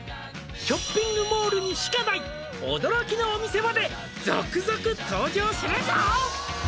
「ショッピングモールにしかない」「驚きのお店まで続々登場するぞ」